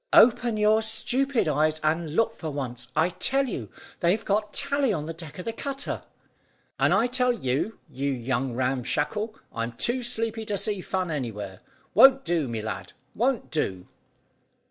"Open your stupid eyes, and look for once. I tell you they've got Tally on the deck of the cutter." "And I tell you, you young Ram Shackle, I'm too sleepy to see fun anywhere. Won't do, my lad won't do."